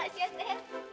makasih ya ter